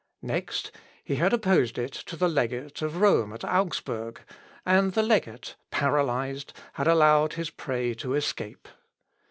Next, he had opposed it to the legate of Rome at Augsburg, and the legate, paralysed, had allowed his prey to escape.